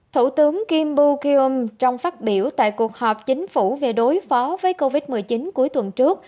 thủ tướng kim bukyom trong phát biểu tại cuộc họp chính phủ về đối phó với covid một mươi chín cuối tuần trước